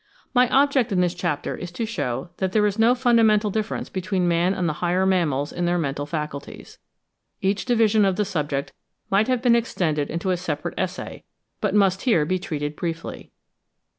My object in this chapter is to shew that there is no fundamental difference between man and the higher mammals in their mental faculties. Each division of the subject might have been extended into a separate essay, but must here be treated briefly.